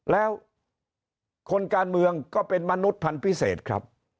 แล้วคนการเมืองก็เป็นมนุษย์พันธ์พิเศษครับ